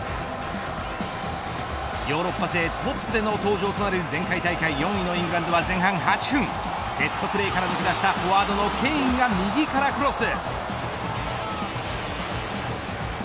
ヨーロッパ勢トップでの登場となる前回大会４位のイングランドは前半８分セットプレーから抜け出したフォワードのケインが右からクロス。